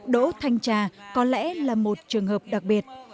đỗ thanh trà có lẽ là một trường hợp đặc biệt